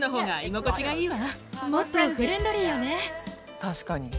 確かに。